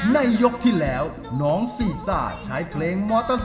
ในยกที่แล้วน้องซีซ่าใช้เพลง